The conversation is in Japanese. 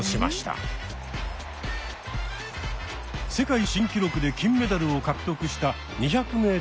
世界新記録で金メダルを獲得した２００ｍのレース。